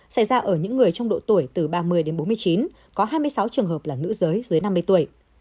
xảy ra ở những người trong độ tuổi từ ba mươi đến bốn mươi chín có hai mươi sáu trường hợp là nữ giới dưới năm mươi tuổi